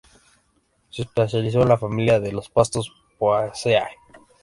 Se especializó en la familia de los pastos Poaceae.